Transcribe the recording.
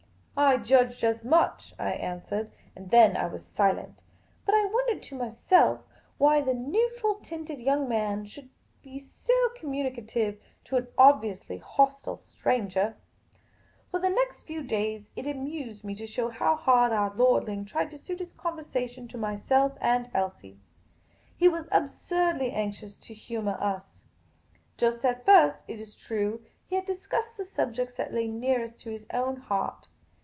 " I judged as much," I answered. And then I was silent. But I wondered to myself why the neutral tinUd young man should be so communicative to an obviously hostile stranger. For the next few days it amused me to see how hard our lordling tried to suit his conversation to myself and Elsie. He was absurdly anxious to humour us. Just at first, it is true, he had discussed the subjects that la} nearest to his own heart.